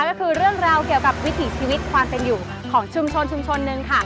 ก็คือเรื่องราวเกี่ยวกับวิถีชีวิตความเป็นอยู่ของชุมชนชุมชนนึงค่ะ